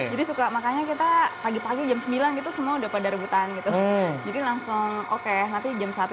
jadi suka makanya kita pagi pagi jam sembilan gitu semua udah pada rebutan gitu